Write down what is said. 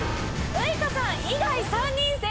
ウイカさん以外３人正解です！